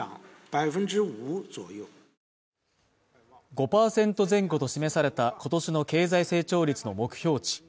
５％前後と示された今年の経済成長率の目標値。